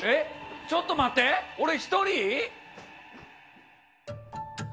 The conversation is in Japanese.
ちょっと待って、俺１人？